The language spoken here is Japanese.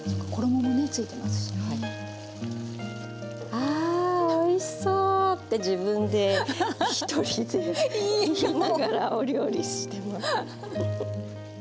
あおいしそう！って自分で１人で言いながらお料理してます。